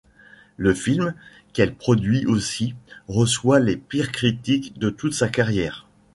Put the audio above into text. Le film, qu'elle produit aussi, reçoit les pires critiques de toute sa carrière.